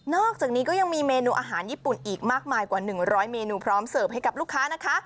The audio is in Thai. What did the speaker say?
อกจากนี้ก็ยังมีเมนูอาหารญี่ปุ่นอีกมากมายกว่า๑๐๐เมนูพร้อมเสิร์ฟให้กับลูกค้านะคะ